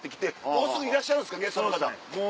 もうすぐいらっしゃるんですかゲストの方。